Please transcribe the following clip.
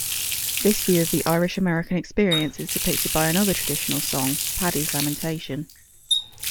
This view of the Irish-American experience is depicted by another traditional song, Paddy's Lamentation.